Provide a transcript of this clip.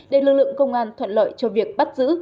để lực lượng công an thuận lợi cho việc bắt giữ